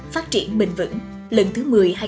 phát triển bền vững lần thứ một mươi